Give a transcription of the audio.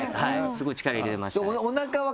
スゴい力入れてましたね。